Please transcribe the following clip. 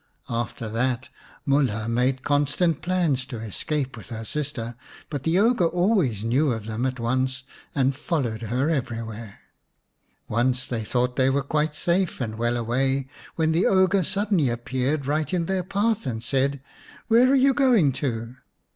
After that Mulha made constant plans to escape with her sister, but the ogre always knew of them at once and followed her everywhere. Once they thought that they were quite safe and well away when the ogre suddenly appeared right in their path and said, " Where are you going to